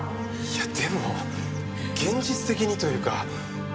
いやでも現実的にというか。